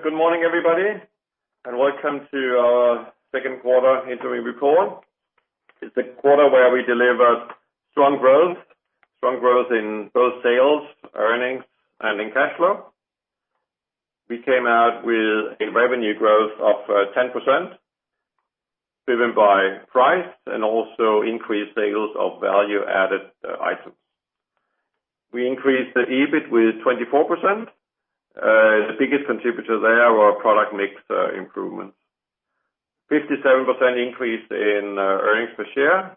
Good morning, everybody. Welcome to our second quarter interim report. It's a quarter where we delivered strong growth. Strong growth in both sales, earnings, and in cash flow. We came out with a revenue growth of 10%, driven by price and also increased sales of value-added items. We increased the EBIT with 24%. The biggest contributor there were our product mix improvements. 57% increase in earnings per share.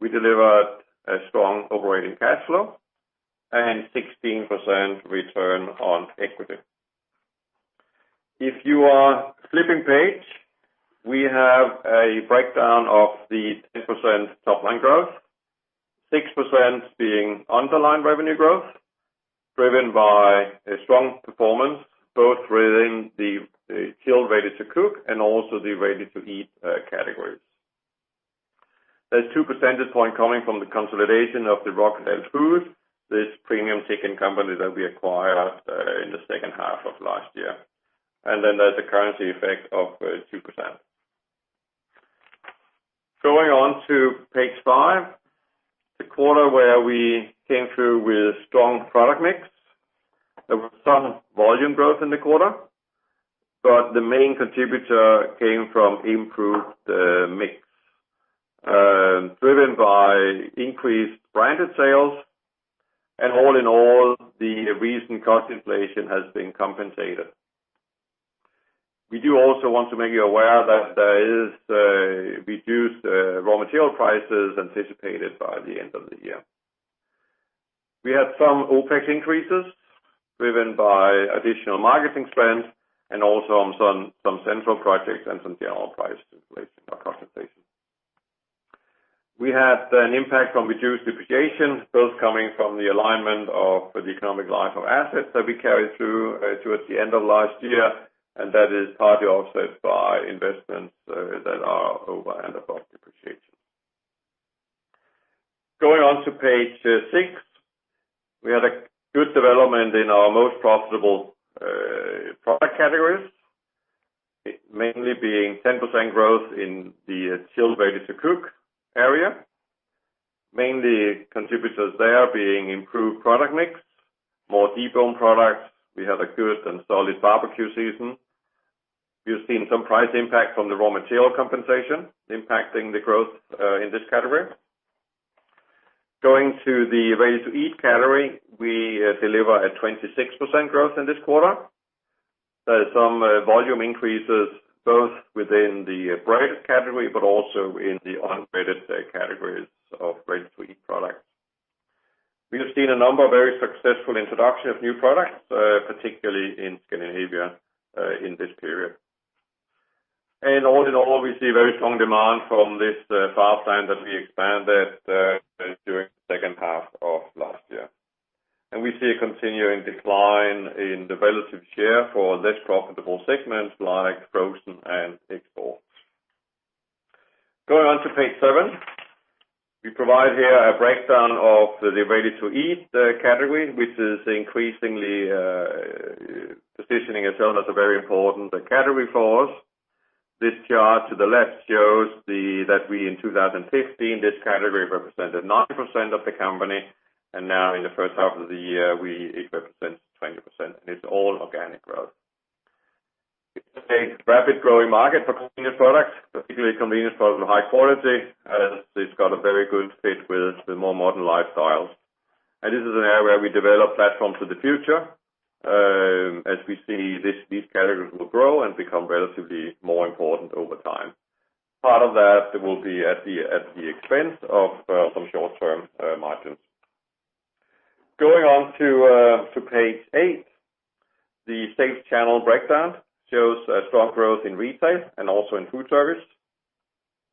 We delivered a strong operating cash flow and 16% return on equity. If you are flipping page, we have a breakdown of the 10% top-line growth, 6% being underlying revenue growth, driven by a strong performance, both within the chilled Ready-to-cook and also the Ready-to-Eat categories. There's 2 percentage point coming from the consolidation of the Rokkedahl Food, this premium chicken company that we acquired in the second half of last year. There's a currency effect of 2%. Going on to page five, the quarter where we came through with strong product mix. There was some volume growth in the quarter, but the main contributor came from improved mix, driven by increased branded sales and all in all, the recent cost inflation has been compensated. We do also want to make you aware that there is a reduced raw material prices anticipated by the end of the year. We had some OpEx increases driven by additional marketing spends and also on some central projects and some general price inflation or compensation. We had an impact from reduced depreciation, both coming from the alignment of the economic life of assets that we carried through towards the end of last year, and that is partly offset by investments that are over and above depreciation. Going on to page six. We had a good development in our most profitable product categories, mainly being 10% growth in the chilled Ready-to-cook area. Mainly contributors there being improved product mix, more deboned products. We had a good and solid barbecue season. We've seen some price impact from the raw material compensation impacting the growth in this category. Going to the Ready-to-Eat category, we deliver a 26% growth in this quarter. There's some volume increases both within the branded category, but also in the unbranded categories of Ready-to-Eat products. We have seen a number of very successful introduction of new products, particularly in Scandinavia in this period. All in all, we see very strong demand from this fast line that we expanded during the second half of last year. We see a continuing decline in the relative share for less profitable segments like frozen and export. Going on to page seven. We provide here a breakdown of the Ready-to-Eat category, which is increasingly positioning itself as a very important category for us. This chart to the left shows that we, in 2015, this category represented 9% of the company, and now in the first half of the year, it represents 20%, and it's all organic growth. It's a rapid growing market for convenience products, particularly convenience products with high quality, as it's got a very good fit with the more modern lifestyles. This is an area we develop platform for the future, as we see these categories will grow and become relatively more important over time. Part of that will be at the expense of some short-term margins. Going on to page eight. The sales channel breakdown shows a strong growth in retail and also in food service.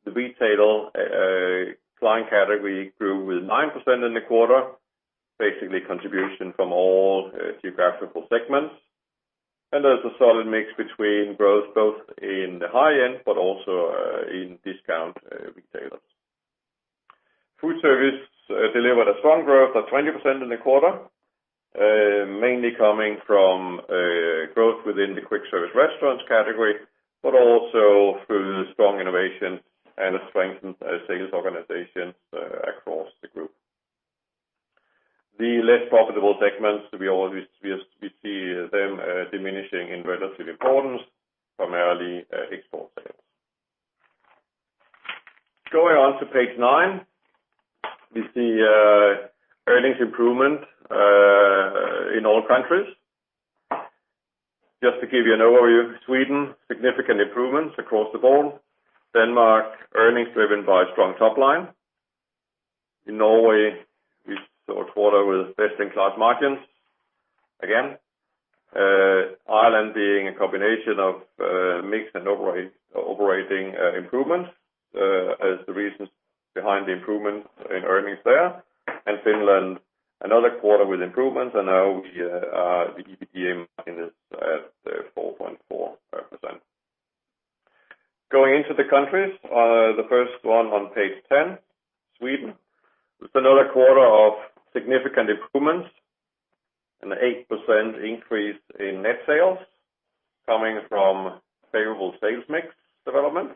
The retail client category grew with 9% in the quarter, basically contribution from all geographical segments. There's a solid mix between growth both in the high end but also in discount retailers. Food service delivered a strong growth of 20% in the quarter, mainly coming from growth within the quick service restaurants category, but also through strong innovation and a strengthened sales organization across the group. The less profitable segments, we see them diminishing in relative importance, primarily export sales. Going on to page nine. We see earnings improvement in all countries. Just to give you an overview, Sweden, significant improvements across the board. Denmark, earnings driven by strong top line. In Norway, we saw a quarter with best-in-class margins. Ireland being a combination of mix and operating improvement as the reasons behind the improvements in earnings there. Finland, another quarter with improvements, and now the EBITDA margin is at 4.9%. Going to the countries, the first one on page 10, Sweden. It's another quarter of significant improvements, an 8% increase in net sales coming from favorable sales mix development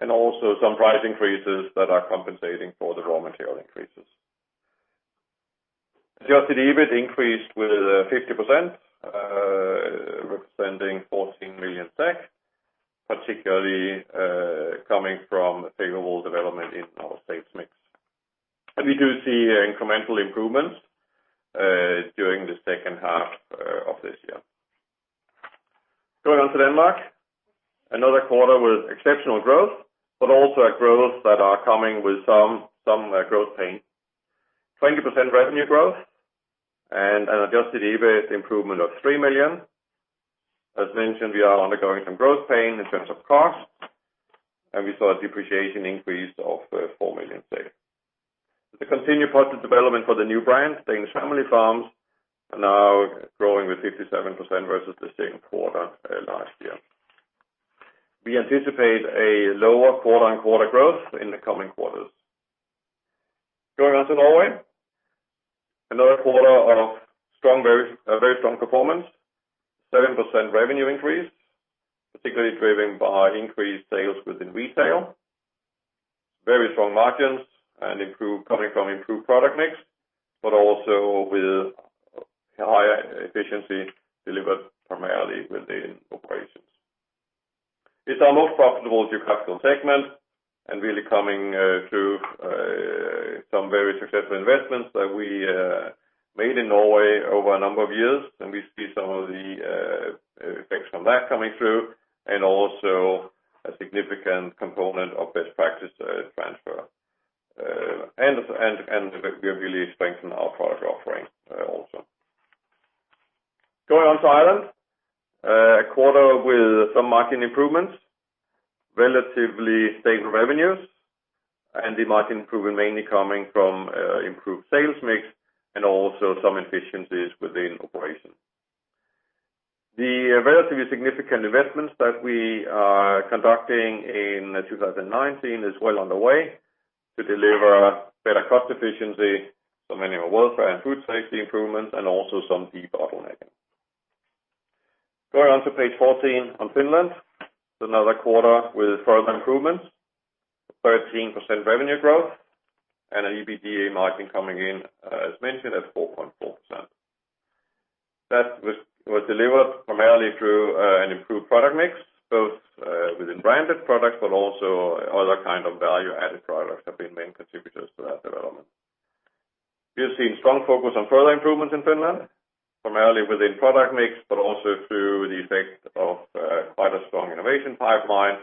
and also some price increases that are compensating for the raw material increases. The adjusted EBIT increased with 50%, representing SEK 14 million, particularly coming from favorable development in our sales mix. We do see incremental improvements during the second half of this year. Going on to Denmark, another quarter with exceptional growth, but also a growth that is coming with some growth pain, 20% revenue growth and an adjusted EBIT improvement of 3 million. As mentioned, we are undergoing some growth pain in terms of costs, and we saw a depreciation increase of 4 million. The continued positive development for the new brand, The Danish Family Farms, are now growing with 57% versus the same quarter last year. We anticipate a lower quarter-on-quarter growth in the coming quarters. Going on to Norway, another quarter of very strong performance, 7% revenue increase, particularly driven by increased sales within retail. Very strong margins coming from improved product mix, but also with higher efficiency delivered primarily within operations. It's our most profitable geographical segment and really coming through some very successful investments that we made in Norway over a number of years. We see some of the effects from that coming through, and also a significant component of best practice transfer. We have really strengthened our product offering also. Going on to Ireland, a quarter with some margin improvements, relatively stable revenues, and the margin improvement mainly coming from improved sales mix and also some efficiencies within operations. The relatively significant investments that we are conducting in 2019 is well underway to deliver better cost efficiency, some animal welfare and food safety improvements, and also some debottlenecking. Going on to page 14 on Finland. Another quarter with further improvements, 13% revenue growth, and an EBITDA margin coming in, as mentioned, at 4.4%. That was delivered primarily through an improved product mix, both within branded products, but also other kind of value-added products have been main contributors to that development. We have seen strong focus on further improvements in Finland, primarily within product mix, but also through the effect of quite a strong innovation pipeline,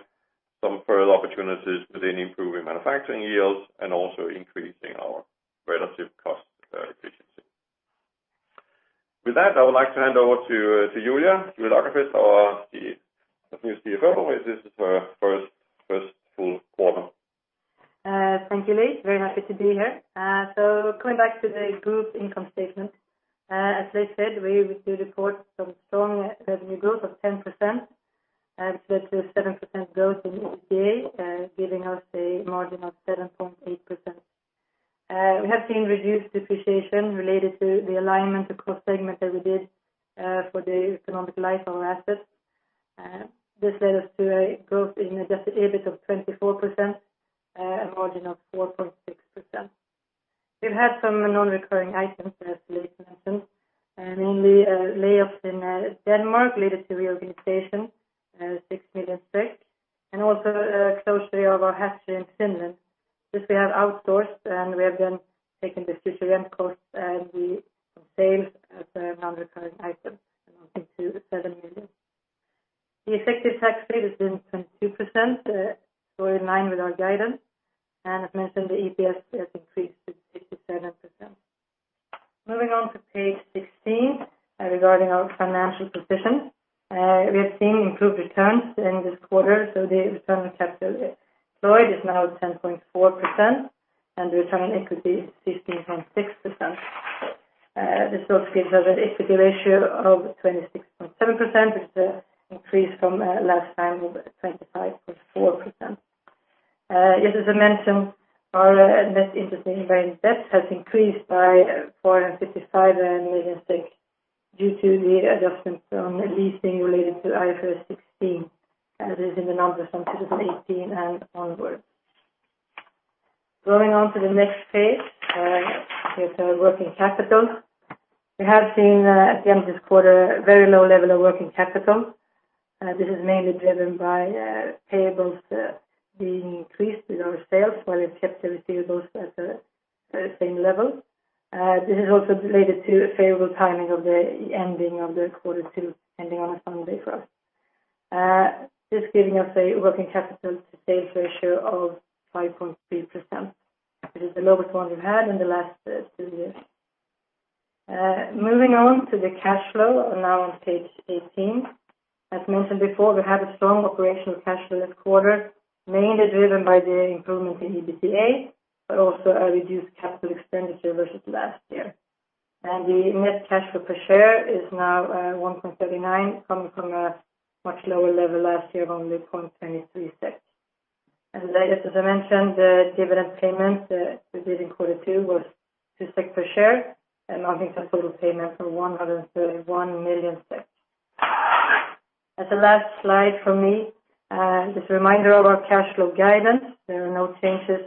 some further opportunities within improving manufacturing yields, and also increasing our relative cost efficiency. With that, I would like to hand over to Julia. Julia Lagerqvist, our CFO. This is her first full quarter. Thank you, Leif. Very happy to be here. Going back to the group income statement. As Leif said, we do report some strong revenue growth of 10%, and that is 7% growth in EBITDA, giving us a margin of 7.8%. We have seen reduced depreciation related to the alignment across segment that we did for the economic life of assets. This led us to a growth in adjusted EBIT of 24%, a margin of 4.6%. We've had some non-recurring items, as Leif mentioned, and mainly layoffs in Denmark related to reorganization, 6 million, and also closure of our hatchery in Finland, which we have outsourced, and we have then taken the future rent cost and the sale as a non-recurring item amounting to SEK 7 million. The effective tax rate has been 22%, so in line with our guidance. As mentioned, the EPS has increased to 57%. Moving on to page 16 regarding our financial position. We have seen improved returns in this quarter. The return on capital employed is now 10.4%, and return on equity is 15.6%. This also gives us an equity ratio of 26.7%, which is an increase from last time of 25.4%. As I mentioned, our net interest-bearing debt has increased by SEK 455 million due to the adjustments on leasing related to IFRS 16. That is in the numbers from 2018 and onwards. Going on to the next page with working capital. We have seen at the end of this quarter a very low level of working capital. This is mainly driven by payables being increased with our sales while we've kept the receivables at the same level. This is also related to favorable timing of the ending of the quarter two, ending on a Sunday for us. Just giving us a working capital to sales ratio of 5.3%, which is the lowest one we've had in the last two years. Moving on to the cash flow now on page 18. As mentioned before, we had a strong operational cash flow this quarter, mainly driven by the improvement in EBITDA, but also a reduced capital expenditure versus last year. The net cash flow per share is now 1.39, coming from a much lower level last year of only 0.23. As I mentioned, the dividend payment that we did in quarter two was 2 SEK per share, amounting to total payments of 131 million SEK. As the last slide for me, just a reminder of our cash flow guidance. There are no changes.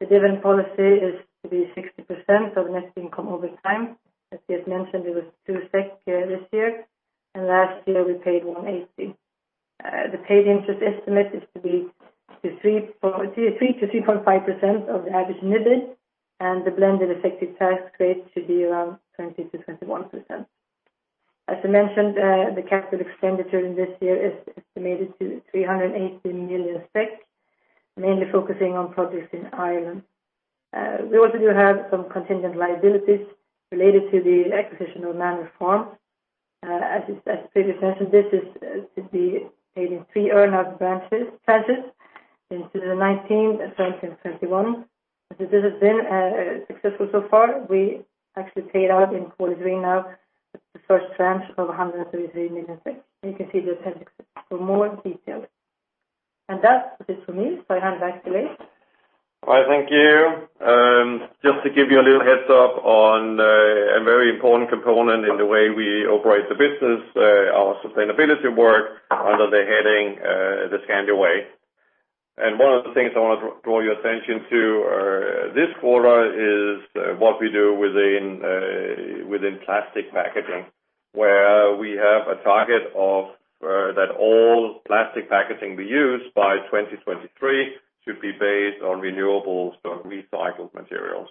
The dividend policy is to be 60% of net income over time. As Leif mentioned, it was 2 this year, and last year we paid 180. The paid interest estimate is to be 3%-3.5% of the average NIBD, and the blended effective tax rate should be around 20%-21%. As I mentioned, the capital expenditure in this year is estimated to 318 million, mainly focusing on projects in Ireland. We also do have some contingent liabilities related to the acquisition of Manor Farm. As previously mentioned, this is to be paid in three earn-out tranches in 2019, 2020, and 2021. This has been successful so far. We actually paid out in quarter three now, the first tranche of 133 million. You can see the appendix for more details. That's it for me, so I hand back to Leif. All right, thank you. Just to give you a little heads-up on a very important component in the way we operate the business, our sustainability work under the heading The Scandi Way. One of the things I want to draw your attention to this quarter is what we do within plastic packaging, where we have a target that all plastic packaging we use by 2023 should be based on renewables or recycled materials.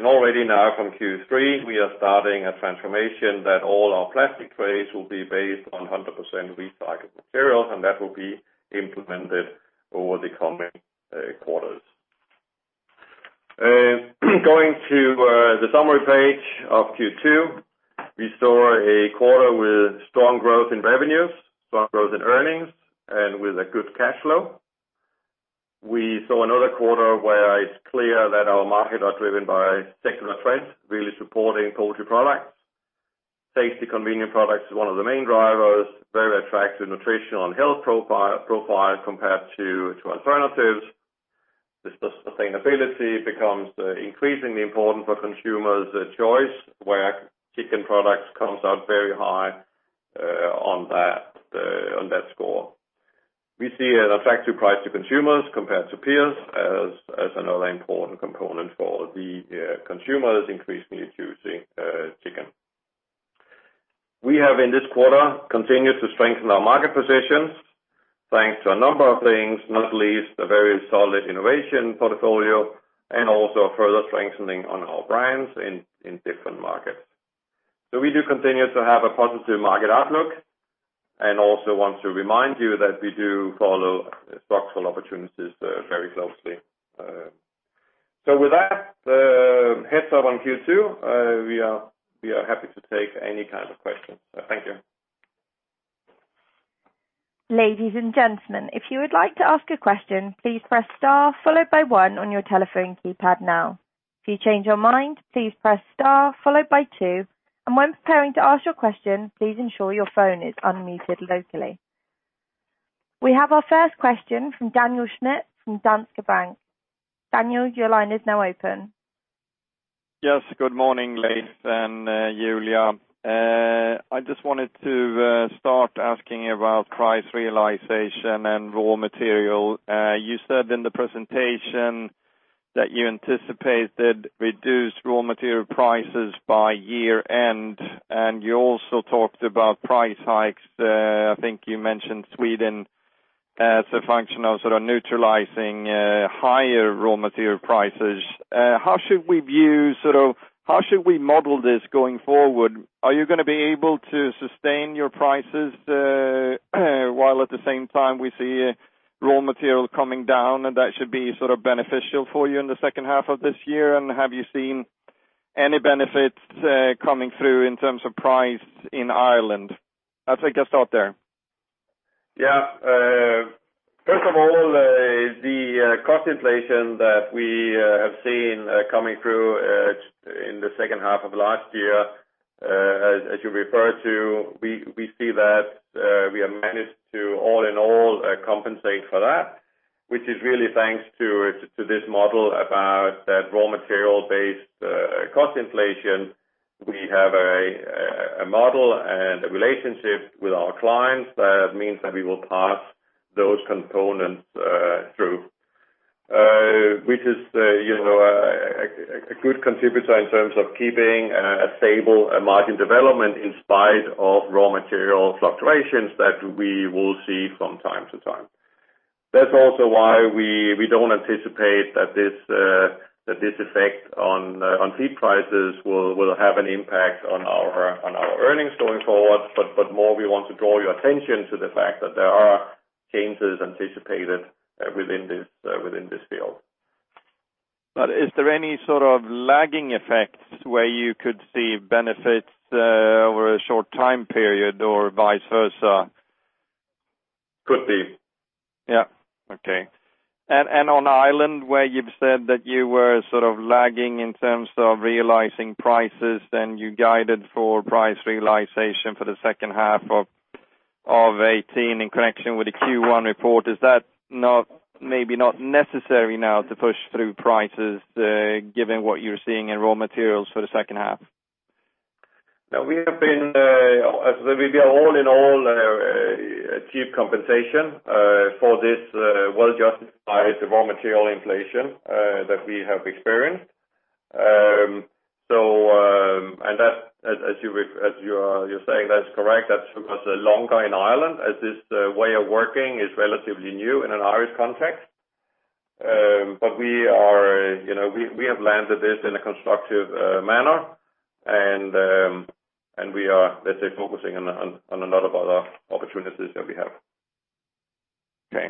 Already now from Q3, we are starting a transformation that all our plastic trays will be based on 100% recycled materials, and that will be implemented over the coming quarters. Going to the summary page of Q2, we saw a quarter with strong growth in revenues, strong growth in earnings, and with a good cash flow. We saw another quarter where it's clear that our market are driven by secular trends, really supporting poultry products. Safety convenient products is one of the main drivers, very attractive nutrition and health profile compared to alternatives. Sustainability becomes increasingly important for consumers' choice, where chicken products comes out very high on that score. We see an attractive price to consumers compared to peers as another important component for the consumers increasingly choosing chicken. We have, in this quarter, continued to strengthen our market positions thanks to a number of things, not least a very solid innovation portfolio, and also further strengthening on our brands in different markets. We do continue to have a positive market outlook and also want to remind you that we do follow stock full opportunities very closely. With that heads-up on Q2, we are happy to take any kind of questions. Thank you. Ladies and gentlemen, if you would like to ask a question, please press star followed by one on your telephone keypad now. If you change your mind, please press star followed by two, and when preparing to ask your question, please ensure your phone is unmuted locally. We have our first question from Daniel Schmidt from Danske Bank. Daniel, your line is now open. Yes. Good morning, Leif and Julia. I just wanted to start asking about price realization and raw material. You said in the presentation that you anticipated reduced raw material prices by year-end, and you also talked about price hikes. I think you mentioned Sweden as a function of sort of neutralizing higher raw material prices. How should we model this going forward? Are you going to be able to sustain your prices, while at the same time we see raw material coming down, and that should be sort of beneficial for you in the second half of this year? Have you seen any benefits coming through in terms of price in Ireland? I think I'll start there. Yeah. First of all, the cost inflation that we have seen coming through in the second half of last year, as you refer to, we see that we have managed to all in all compensate for that, which is really thanks to this model about that raw material-based cost inflation. We have a model and a relationship with our clients that means that we will pass those components through, which is a good contributor in terms of keeping a stable margin development in spite of raw material fluctuations that we will see from time to time. That's also why we don't anticipate that this effect on feed prices will have an impact on our earnings going forward, but more we want to draw your attention to the fact that there are changes anticipated within this field. Is there any sort of lagging effects where you could see benefits over a short time period or vice versa? Could be. Yeah. Okay. On Ireland, where you've said that you were sort of lagging in terms of realizing prices, then you guided for price realization for the second half of 2018 in connection with the Q1 report, is that maybe not necessary now to push through prices, given what you're seeing in raw materials for the second half? No, we are all in all achieved compensation for this well-justified raw material inflation that we have experienced. As you're saying, that's correct. That was longer in Ireland, as this way of working is relatively new in an Irish context. We have landed this in a constructive manner, and we are, let's say, focusing on a lot of other opportunities that we have. Okay.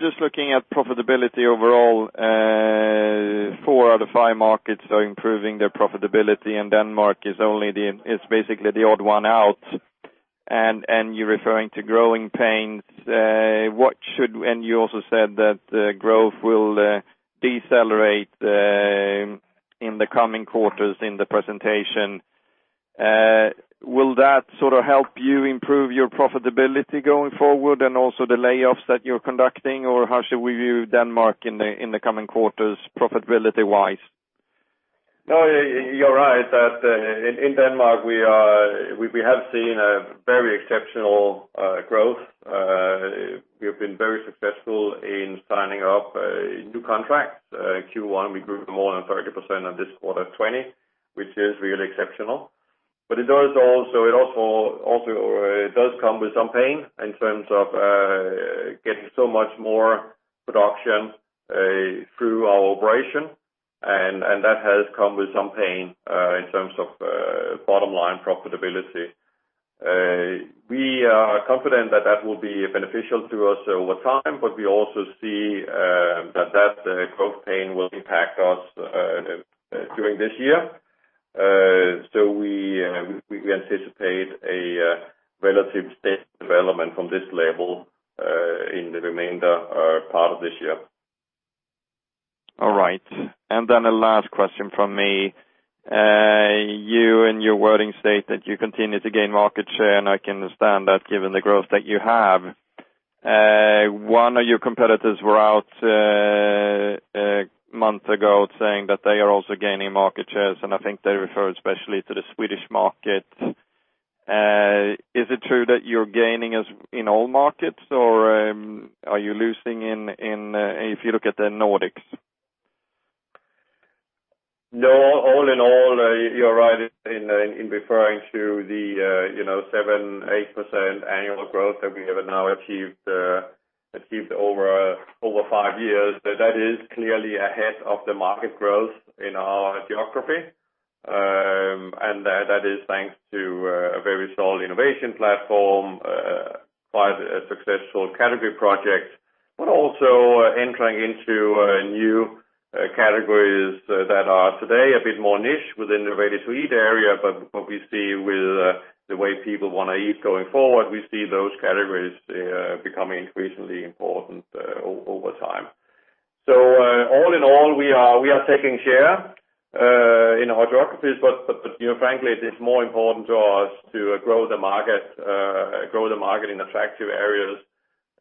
Just looking at profitability overall, four out of five markets are improving their profitability, and Denmark is basically the odd one out. You're referring to growing pains. You also said that growth will decelerate in the coming quarters in the presentation. Will that sort of help you improve your profitability going forward and also the layoffs that you're conducting? How should we view Denmark in the coming quarters profitability-wise? No, you are right. In Denmark, we have seen a very exceptional growth. We have been very successful in signing up new contracts. Q1, we grew more than 30% and this quarter 20%, which is really exceptional. It also does come with some pain in terms of getting so much more production through our operation, and that has come with some pain, in terms of bottom line profitability. We are confident that that will be beneficial to us over time, but we also see that that growth pain will impact us during this year. We anticipate a relative steady development from this level, in the remainder part of this year. All right. Then a last question from me. You, in your wording state that you continue to gain market share, and I can understand that given the growth that you have. One of your competitors were out a month ago saying that they are also gaining market shares, and I think they refer especially to the Swedish market. Is it true that you're gaining in all markets, or are you losing if you look at the Nordics? All in all, you're right in referring to the 7%-8% annual growth that we have now achieved over five years. That is clearly ahead of the market growth in our geography. That is thanks to a very solid innovation platform, quite a successful category project, but also entering into new categories that are today a bit more niche within the Ready-to-Eat area. What we see with the way people want to eat going forward, we see those categories becoming increasingly important over time. All in all, we are taking share in our geographies. Frankly, it is more important to us to grow the market in attractive areas.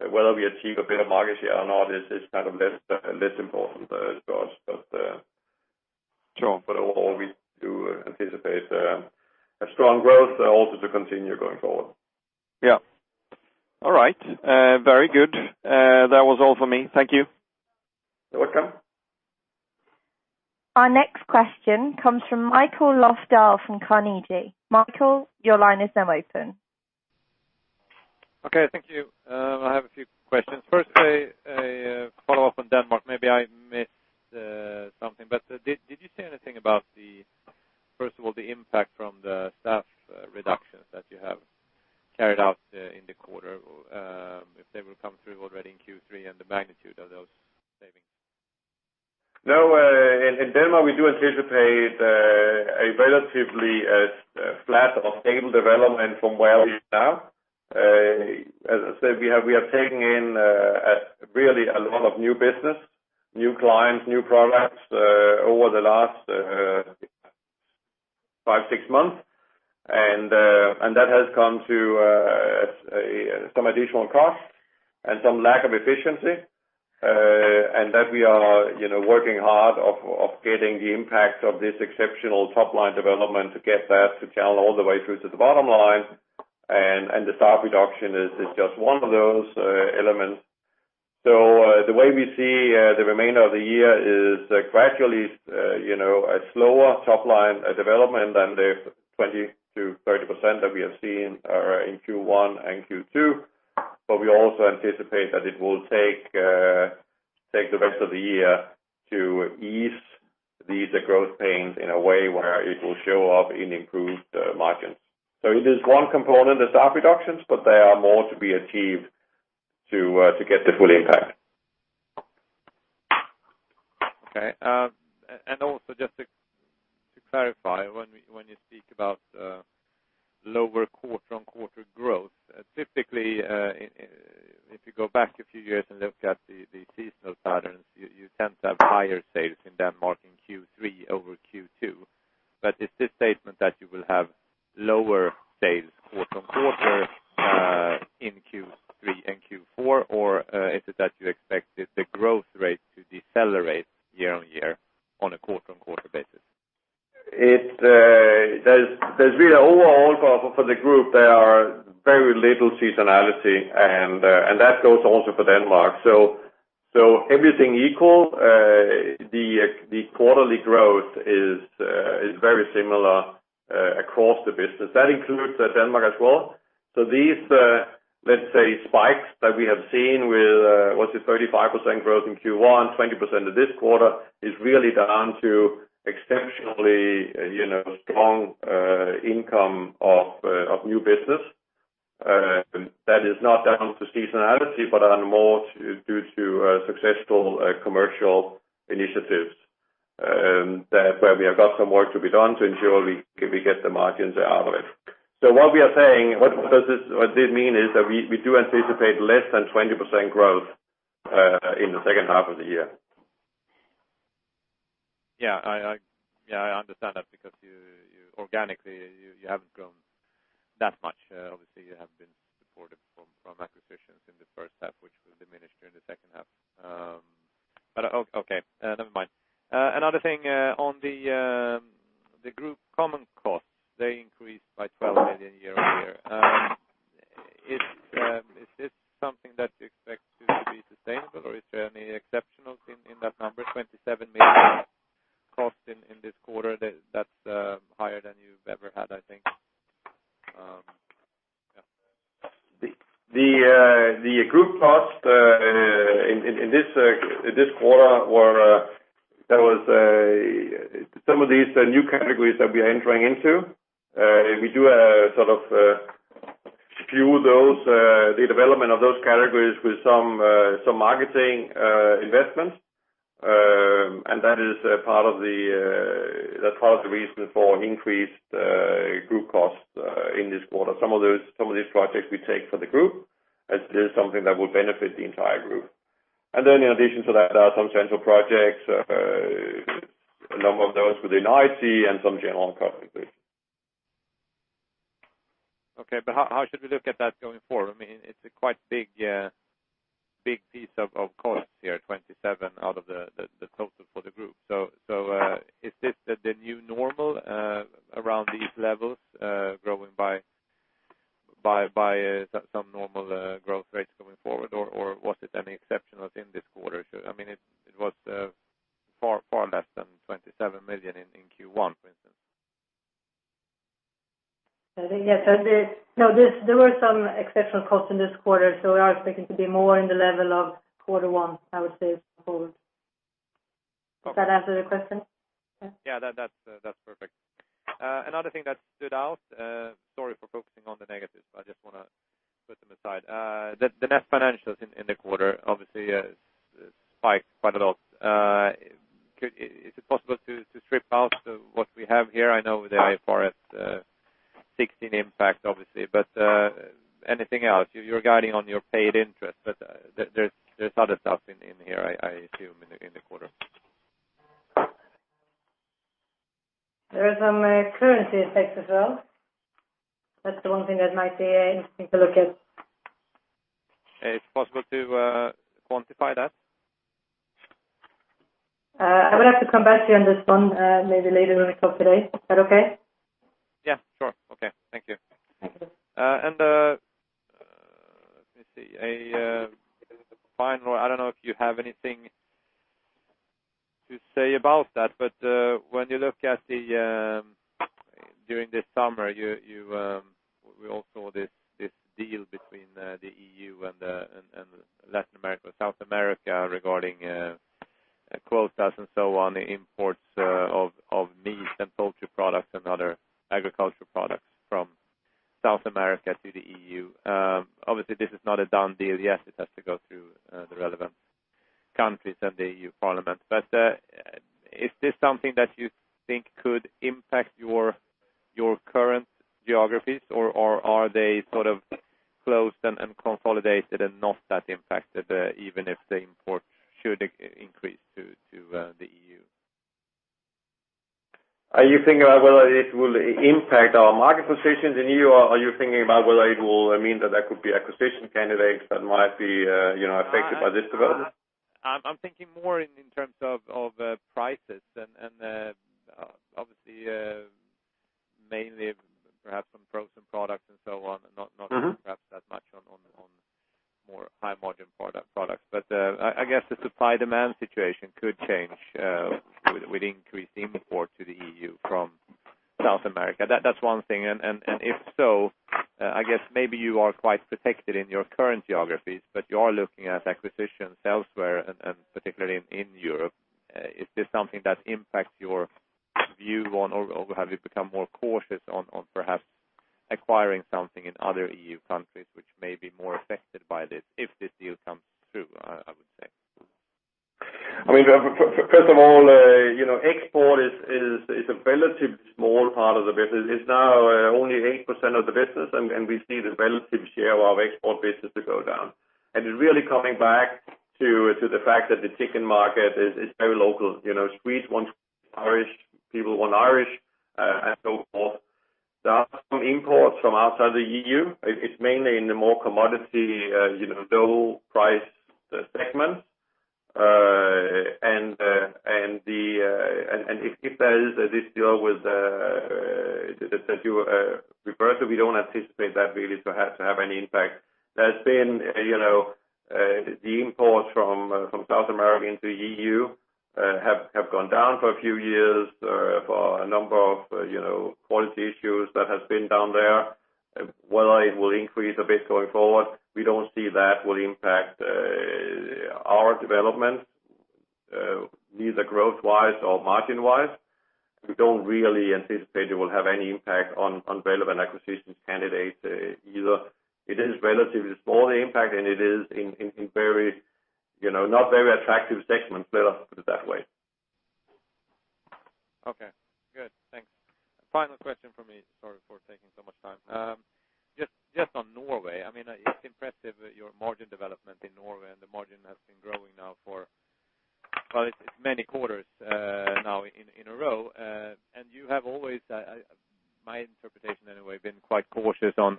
Whether we achieve a bit of market share or not is kind of less important to us. Sure. All we do anticipate a strong growth also to continue going forward. Yeah. All right. Very good. That was all for me. Thank you. You're welcome. Our next question comes from Mikael Löfdahl from Carnegie. Mikael, your line is now open. Okay, thank you. I have a few questions. First, a follow-up on Denmark. Maybe I missed something, but did you say anything about, first of all, the impact from the staff reductions that you have carried out in the quarter, if they will come through already in Q3 and the magnitude of those savings? In Denmark, we do anticipate a relatively flat or stable development from where we are now. As I said, we are taking in really a lot of new business, new clients, new products, over the last five, six months. That has come to some additional costs and some lack of efficiency. That we are working hard of getting the impact of this exceptional top-line development to get that to channel all the way through to the bottom line, and the staff reduction is just one of those elements. The way we see the remainder of the year is gradually a slower top line development than the 20%-30% that we have seen are in Q1 and Q2. We also anticipate that it will take the rest of the year to ease these growth pains in a way where it will show up in improved margins. It is one component, the staff reductions, but there are more to be achieved to get the full impact. Okay. Also just to clarify, when you speak about lower quarter-on-quarter growth, typically, if you go back a few years and look at the seasonal patterns, you tend to have higher sales in Denmark in Q3 over Q2. Is this statement that you will have lower sales quarter-on-quarter in Q3 and Q4, or is it that you expect the growth rate to decelerate year-on-year on a quarter-on-quarter basis? Overall for the group, there are very little seasonality, and that goes also for Denmark. Everything equal, the quarterly growth is very similar across the business. That includes Denmark as well. These, let's say, spikes that we have seen with, was it 35% growth in Q1, 20% in this quarter, is really down to exceptionally strong income of new business. That is not down to seasonality, but are more due to successful commercial initiatives, where we have got some work to be done to ensure we get the margins out of it. What we are saying, what this means is that we do anticipate less than 20% growth in the second half of the year. Yeah. I understand that because organically, you haven't grown that much. Obviously, you have been supported from acquisitions in the first half, which will diminish during the second half. Okay, never mind. Another thing on the group common costs, they increased by 12 million year-on-year. Is this something that you expect to be sustainable, or is there any exceptionals in that number? 27 million costs in this quarter, that's higher than you've ever had, I think. Yeah. The group costs in this quarter, some of these are new categories that we are entering into. We do sort of skew the development of those categories with some marketing investments. That is part of the reason for an increased group cost in this quarter. Some of these projects we take for the group as this is something that will benefit the entire group. Then in addition to that, there are some central projects, a number of those within IT and some general cost increase. Okay. How should we look at that going forward? It's a quite big piece of costs here, 27 out of the total for the group. Is this the new normal around these levels, growing by some normal growth rates going forward? Was it any exceptionals in this quarter? It was far less than 27 million in Q1, for instance. There were some exceptional costs in this quarter, so we are expecting to be more in the level of quarter one, I would say. Does that answer the question? Yeah, that's perfect. Another thing that stood out, sorry for focusing on the negatives, but I just want to put them aside. The net financials in the quarter obviously spiked quite a lot. Is it possible to strip out what we have here? I know the IFRS 16 impact, obviously, but anything else? You're guiding on your paid interest, but there's other stuff in here, I assume, in the quarter. There is some currency effect as well. That's the one thing that might be interesting to look at. Is it possible to quantify that? I would have to come back to you on this one, maybe later when we talk today. Is that okay? Yeah, sure. Okay. Thank you. Thank you. Let me see. Finally, I don't know if you have anything to say about that, but when you look at during this summer, we all saw this deal between the EU and Latin America, South America regarding quotas and so on, imports of meat and poultry products and other agricultural products from South America to the EU. Obviously, this is not a done deal yet. It has to go through the relevant countries and the EU Parliament. Is this something that you think could impact your current geographies, or are they sort of closed and consolidated and not that impacted even if the import should increase to the EU? Are you thinking about whether it will impact our market positions in EU, or are you thinking about whether it will mean that there could be acquisition candidates that might be affected by this development? I'm thinking more in terms of prices and obviously mainly perhaps some frozen products and so on, not perhaps that much on more high-margin products. I guess the supply-demand situation could change with increased import to the EU from South America. That's one thing. If so, I guess maybe you are quite protected in your current geographies, but you are looking at acquisitions elsewhere and particularly in Europe. Is this something that impacts your view on or have you become more cautious on perhaps acquiring something in other EU countries which may be more affected by this, if this deal comes through, I would say? First of all, export is a relatively small part of the business. It's now only 8% of the business, and we see the relative share of our export business to go down. It's really coming back to the fact that the chicken market is very local. Swedes want Swedish, Irish people want Irish, and so forth. There are some imports from outside the EU. It's mainly in the more commodity, low price segments. If there is this deal that you referred to, we don't anticipate that really to have any impact. There's been the imports from South America into EU have gone down for a few years for a number of quality issues that have been down there. Whether it will increase a bit going forward, we don't see that will impact our development, neither growth-wise or margin-wise. We don't really anticipate it will have any impact on relevant acquisitions candidates either. It is a relatively small impact, and it is in not very attractive segments, let us put it that way. Okay, good. Thanks. Final question from me. Sorry for taking so much time. Just on Norway. It's impressive your margin development in Norway, and the margin has been growing now for many quarters in a row. You have always, my interpretation anyway, been quite cautious on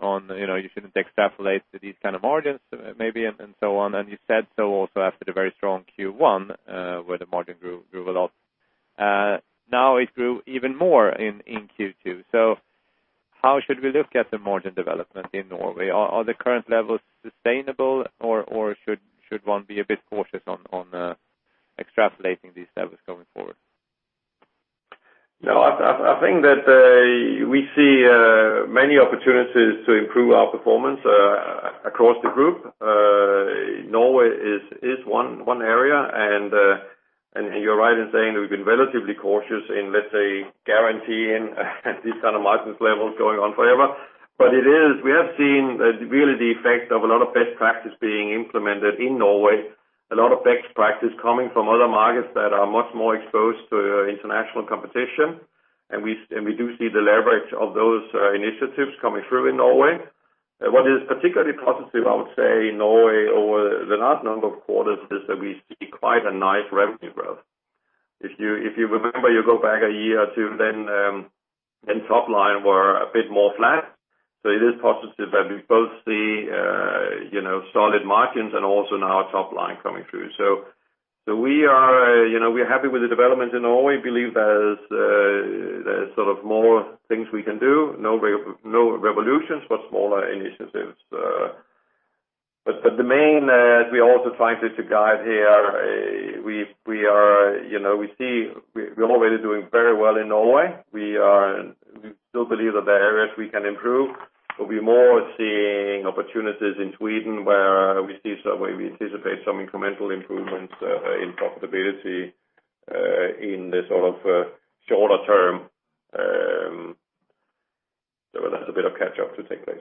you shouldn't extrapolate these kind of margins, maybe, and so on. You said so also after the very strong Q1, where the margin grew a lot. Now it grew even more in Q2. How should we look at the margin development in Norway? Are the current levels sustainable or should one be a bit cautious on extrapolating these levels going forward? No, I think that we see many opportunities to improve our performance across the group. Norway is one area, and you're right in saying that we've been relatively cautious in, let's say, guaranteeing these kind of margin levels going on forever. We have seen really the effect of a lot of best practice being implemented in Norway, a lot of best practice coming from other markets that are much more exposed to international competition, and we do see the leverage of those initiatives coming through in Norway. What is particularly positive, I would say, in Norway over the last number of quarters is that we see quite a nice revenue growth. If you remember, you go back a year or two, then top line were a bit more flat. It is positive that we both see solid margins and also now top line coming through. We're happy with the development in Norway, believe there's more things we can do. No revolutions, but smaller initiatives. The main, as we also try to guide here, we're already doing very well in Norway. We still believe that there are areas we can improve, but we're more seeing opportunities in Sweden where we anticipate some incremental improvements in profitability in the shorter term. That's a bit of catch-up to take place.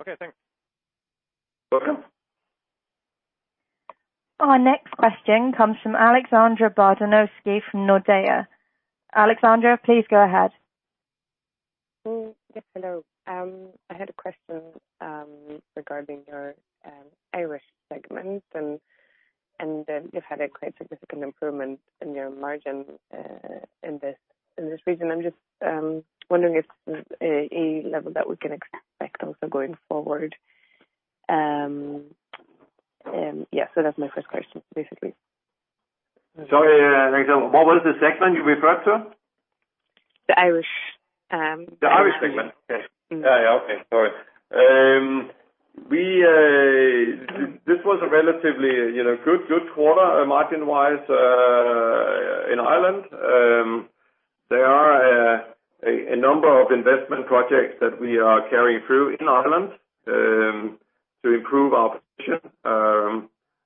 Okay. Thanks. Welcome. Our next question comes from Alexandra Bartynowska from Nordea. Alexandra, please go ahead. Yes, hello. I had a question regarding your Irish segment. You've had a quite significant improvement in your margin in this region. I'm just wondering if a level that we can expect also going forward. Yeah, that's my first question, basically. Sorry, Alexandra, what was the segment you referred to? The Irish segment. The Irish segment. Okay. Yeah, okay. Sorry. This was a relatively good quarter margin-wise in Ireland. There are a number of investment projects that we are carrying through in Ireland to improve our position.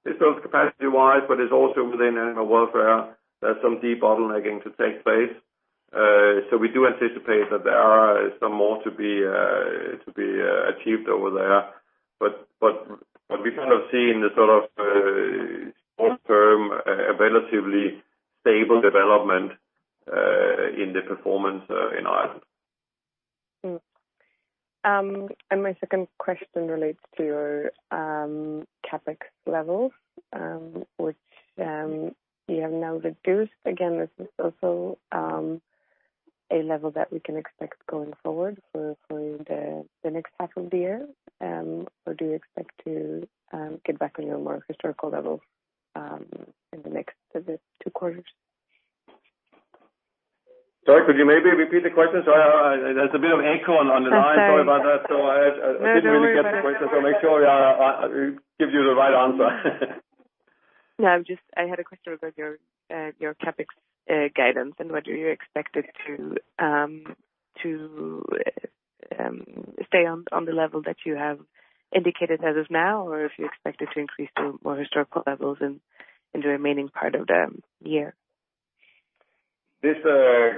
It's both capacity-wise, but it's also within animal welfare. There's some debottlenecking to take place. We do anticipate that there are some more to be achieved over there. We kind of see in the sort of short term, a relatively stable development in the performance in Ireland. My second question relates to your CapEx levels, which you have now reduced. Again, this is also a level that we can expect going forward for the next half of the year. Do you expect to get back on your more historical levels in the next two quarters? Sorry, could you maybe repeat the question? There's a bit of echo on the line. That's fine. Sorry about that. No, don't worry about that. didn't really get the question. Make sure I give you the right answer. No, I had a question about your CapEx guidance, and whether you're expected to stay on the level that you have indicated as of now, or if you expect it to increase to more historical levels in the remaining part of the year? This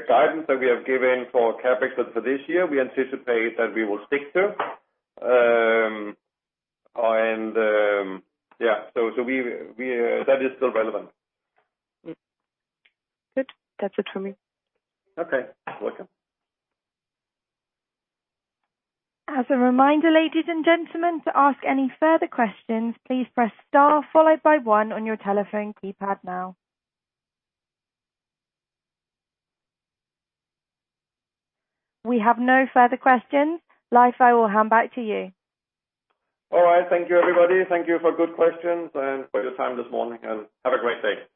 guidance that we have given for CapEx for this year, we anticipate that we will stick to. Yeah, that is still relevant. Good. That's it from me. Okay. Welcome. As a reminder, ladies and gentlemen, to ask any further questions, please press star followed by one on your telephone keypad now. We have no further questions. Leif, I will hand back to you. All right. Thank you, everybody. Thank you for good questions and for your time this morning, and have a great day. Bye.